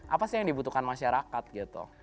apa sih yang dibutuhkan masyarakat gitu